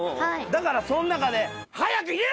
だからその中で。